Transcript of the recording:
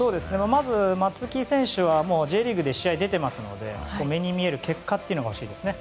まず、松木選手はもうＪリーグの試合に出ていますので目に見える結果が欲しいですね。